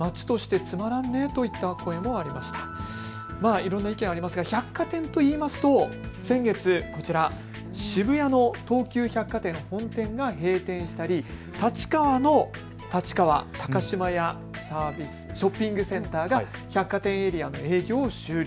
いろんな意見、ありますが百貨店といいますと、先月渋谷の東急百貨店の本店が閉店したり、立川の立川高島屋Ｓ．Ｃ．が百貨店エリアの営業を終了。